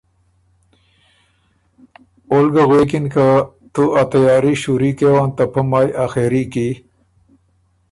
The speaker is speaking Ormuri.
اول ګۀ غوېکِن که ”تُو ا تیاري شُوری کېون ته پۀ مایٛ اخېري کی